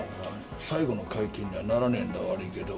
最後の会見には、ならねえんだ、悪いけど。